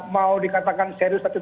mau dikatakan serius satu tiga